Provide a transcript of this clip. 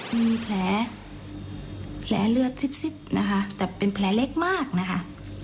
มีแผลเลือดซิบนะคะแต่เป็นแผลเล็กมากนะคะ